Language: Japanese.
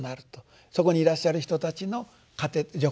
そこにいらっしゃる人たちの資糧食となる。